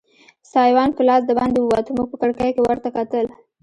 سایوان په لاس دباندې ووت، موږ په کړکۍ کې ورته کتل.